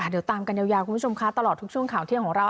เดี๋ยวตามกันยาวคุณผู้ชมคะตลอดทุกช่วงข่าวเที่ยงของเรา